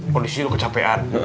kondisi itu kecapean